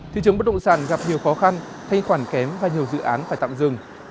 thị trường bất động sản gặp nhiều khó khăn thay khoản kém và nhiều dự án phải tạm dừng